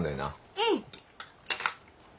うん。